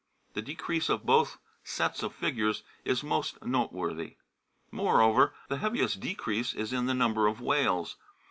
The decrease of both sets of figures is most note worthy. Moreover, the heaviest decrease is in the number of whales.